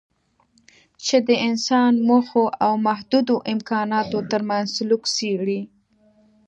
چې د انسان موخو او محدودو امکاناتو ترمنځ سلوک څېړي.